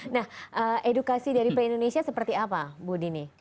nah edukasi dari pni indonesia seperti apa bu dina